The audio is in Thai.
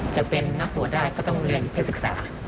จะเป็นนักบัวได้ก็ต้องเรียนไปศึกษา